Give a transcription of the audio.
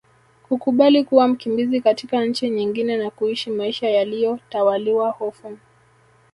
Kukubali kuwa mkimbizi katika nchi nyingine na kuishi maisha yaliyo tawaliwa hofu